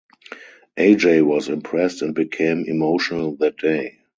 Aj was Impressed and became emotional that day.